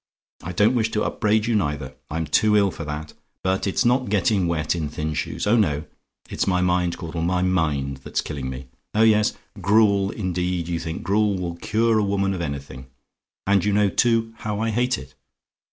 I don't wish to upbraid you neither; I'm too ill for that; but it's not getting wet in thin shoes, oh, no! it's my mind, Caudle, my mind, that's killing me. Oh, yes! gruel, indeed you think gruel will cure a woman of anything; and you know, too, how I hate it.